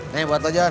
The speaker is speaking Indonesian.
nih buat lo john